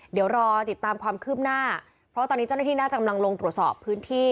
เดี๋ยวรอติดตามความคืบหน้าเพราะตอนนี้เจ้าหน้าที่น่าจะกำลังลงตรวจสอบพื้นที่